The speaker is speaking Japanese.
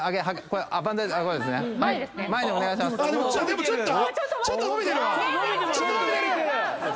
でもちょっと。